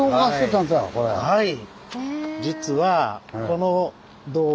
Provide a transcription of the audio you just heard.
はい！